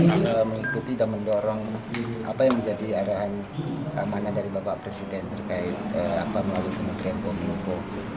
kita mengikuti dan mendorong apa yang menjadi arahan mana dari bapak presiden terkait melalui kementerian kominfo